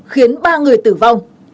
khiến ba người tử vong